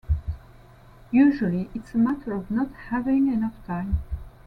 Usually it's a matter of not having enough time.